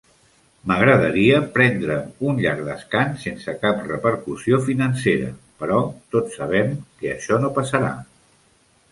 M'agradaria prendre'm un llarg descans sense cap repercussió financera, però tots sabem que això no passarà.